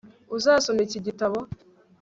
Uzasoma iki gitabo